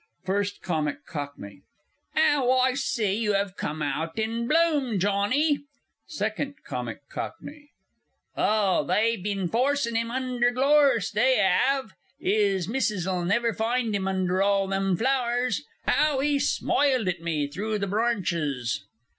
_ FIRST COMIC COCKNEY. Ow, I s'y you 'ave come out in bloom, Johnny! SECOND C. C. Ah, they've bin forcin' 'im under glorse, they 'ave! 'Is Missis'll never find 'im under all them flowers. Ow, 'e smoiled at me through the brornches!